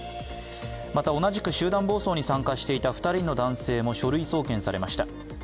また同じく集団暴走に参加していた２人の男性も書類送検されました。